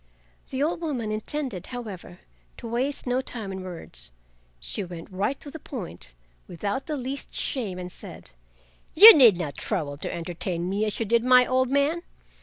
The old woman intended, however, to waste no time in words, she went right to the point, without the least shame, and said: "You need not trouble to entertain me as you did my old man.